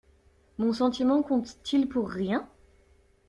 Mon sentiment compte-t-il pour rien?